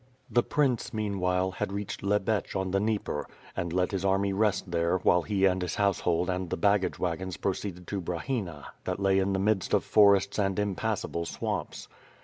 The prince, meanwhile, had reached Tjcbetch on the Dnieper, and let his army rest there, while he and his house hold and the baggage wagons proceeded to Brahina, that lay in the midst of forests and impassable swamps.